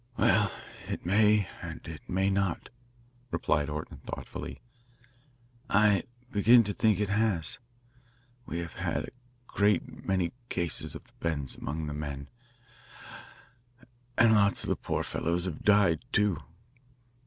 "Well, it may and it may not," replied Orton thoughtfully. "I begin to think it has. We have had a great many cases of the bends among the men, and lots of the poor fellows have died, too.